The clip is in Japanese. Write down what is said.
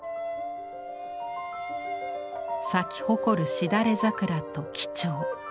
咲き誇るしだれ桜と几帳。